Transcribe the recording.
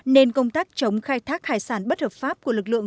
nên công tác chống khai thác hải sản bất hợp pháp của lực lượng